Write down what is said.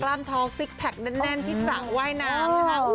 ท้องซิกแพคแน่นที่สั่งว่ายน้ำนะคะ